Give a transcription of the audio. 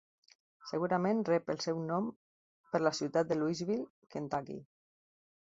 Segurament rep el seu nom per la ciutat de Louisville, Kentucky.